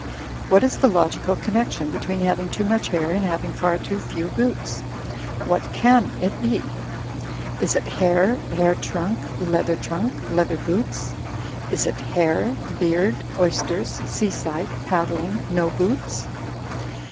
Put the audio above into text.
* What is the logical con nection between having too much hair and having far too few boots? What can it be? Is it 'hair — ^hair trunk — ^leather trunk — ^leather boots?' Is it *hair — beard — oysters — seaside — paddling — ^no boots?'